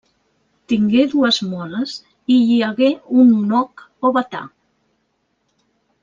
Tingué dues moles i hi hagué un noc o batà.